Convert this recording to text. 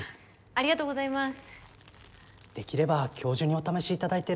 ありがとうございます。